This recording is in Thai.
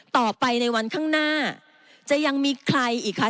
ต่อไปในวันข้างหน้าจะยังมีใครอีกคะ